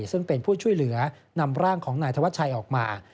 ซึ่งเป็นผู้ช่วยเหลือนำร่างของนายธวัชชัยออกมา